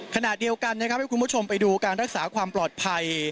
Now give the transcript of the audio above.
ขณะเดียวกันนะครับให้คุณผู้ชมไปดูการรักษาความปลอดภัย